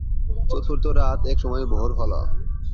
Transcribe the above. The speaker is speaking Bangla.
চতুর্থ রাত একসময় ভোর হল।